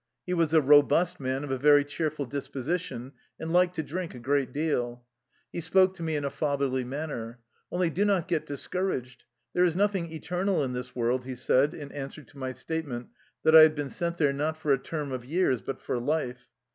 He was a robust man of a very cheerful disposition and liked to drink a great deal. He spoke to me in a fatherly manner. " Only do not get discouraged. There is noth ing eternal in this world/' he said in answer to my statement that I had been sent there, not for a term of years, but for life.